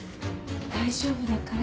大丈夫だから。